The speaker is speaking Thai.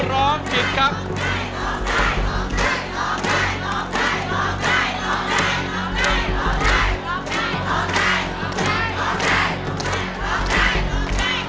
ร้องได้